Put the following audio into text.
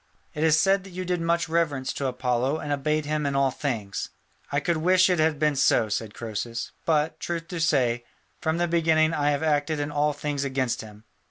It is said that you did much reverence to Apollo and obeyed him in all things." "I could wish it had been so," said Croesus, "but, truth to say, from the beginning I have acted in all things against him."